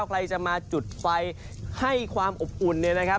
ใครจะมาจุดไฟให้ความอบอุ่นเนี่ยนะครับ